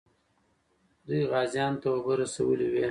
دوی غازیانو ته اوبه رسولې وې.